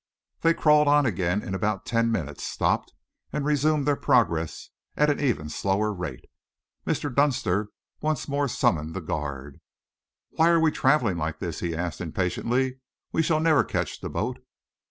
They crawled on again in about ten minutes, stopped, and resumed their progress at an even slower rate. Mr. Dunster once more summoned the guard. "Why are we travelling like this?" he asked impatiently. "We shall never catch the boat."